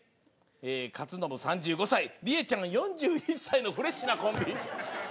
克信３５歳りえちゃんが４１歳のフレッシュなコンビ。